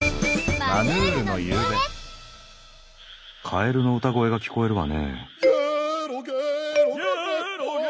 カエルの歌声が聞こえるわね。